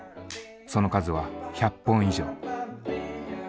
その数は１００本以上。